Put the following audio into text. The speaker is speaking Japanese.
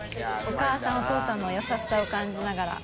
お母さんお父さんの優しさを感じながら。